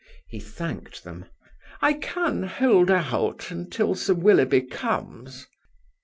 He thanked them. "I can hold out until Sir Willoughby comes."